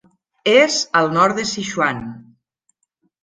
És al nord de Sichuan.